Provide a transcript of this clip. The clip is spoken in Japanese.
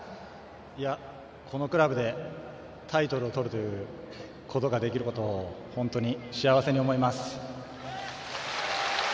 このクラブでタイトルをとるということができたことを本当に幸せに思います。